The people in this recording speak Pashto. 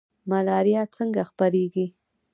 ملاریا څنګه خپریږي؟